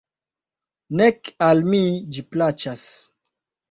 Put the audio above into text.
Nek al mi ĝi plaĉas.